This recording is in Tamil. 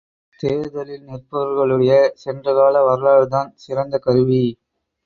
தேர்தலில் நிற்பவர்களுடைய சென்ற கால வரலாறுதான் சிறந்த கருவி.